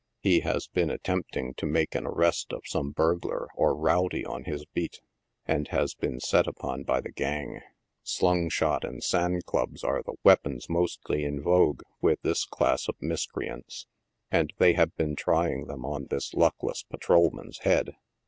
He has been attempting to make an arrest of some burglar or rowdy on his beat, and has been set upon by the gang. Slung shot and sand clubs are the weapons mostly in vogue with this class of miscreants, and they have been trying them on this luckless patrolman's head.